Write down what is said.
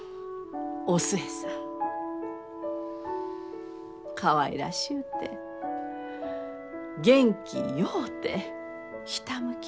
お寿恵さんかわいらしゅうて元気ようてひたむきで。